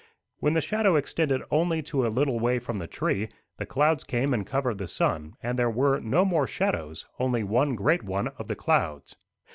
When the shadow extended only to a little way from the tree, the clouds came and covered the sun, and there were no more shadows, only one great one of the clouds.